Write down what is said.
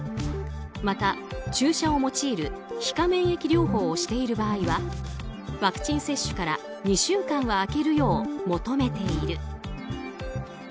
また注射を用いる皮下免疫療法をしている場合はワクチン接種から２週間は開けるよう求めている。